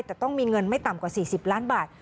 แต่ต้องมีเงินไม่ต่ำกว่า๔๐ล้านบาท